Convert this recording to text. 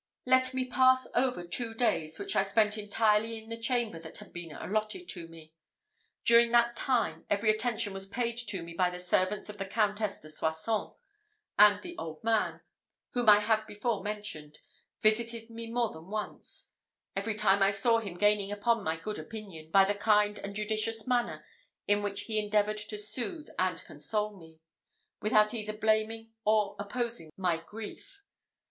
Let me pass over two days which I spent entirely in the chamber that had been allotted to me. During that time, every attention was paid to me by the servants of the Countess de Soissons; and the old man, whom I have before mentioned, visited me more than once, every time I saw him gaining upon my good opinion, by the kind and judicious manner in which he endeavoured to soothe and console, without either blaming or opposing my grief.